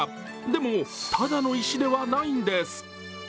でも、ただの石ではないんです。